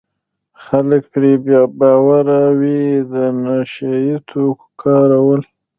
خلک پرې بې باوره وي د نشه یي توکو کارول.